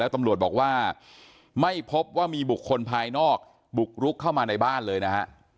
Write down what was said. ตำรวจบอกว่าไม่พบว่ามีบุคคลภายนอกบุกรุกเข้ามาในบ้านเลยนะฮะ